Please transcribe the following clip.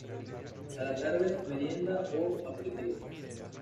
A la tarde merienda o aperitivo.